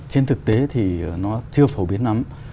trên thực tế thì nó chưa phổ biến lắm